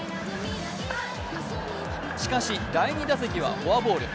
しかし、第２打席はフォアボール。